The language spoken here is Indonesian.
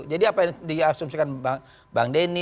jadi apa yang diasumsikan bang deni